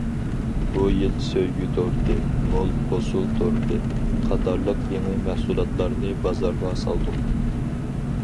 بۇ يىل‹‹ سۆيگۈ تورتى››،‹‹ مول ھوسۇل تورتى›› قاتارلىق يېڭى مەھسۇلاتلارنى بازارغا سالدۇق.